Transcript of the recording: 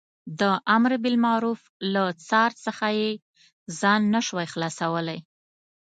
له امر بالمعروف له څار څخه یې ځان نه شوای خلاصولای.